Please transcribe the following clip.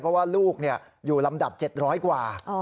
เพราะว่าลูกอยู่ลำดับ๗๐๐กว่า